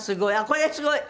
これすごい。